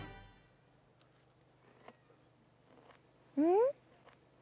ん？